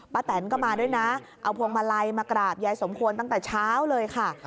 แตนก็มาด้วยนะเอาพวงมาลัยมากราบยายสมควรตั้งแต่เช้าเลยค่ะ